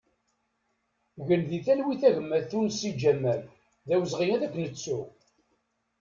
Gen di talwit a gma Tunsi Ǧamal, d awezɣi ad k-nettu!